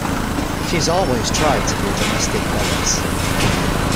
She's always tried to be a domestic goddess.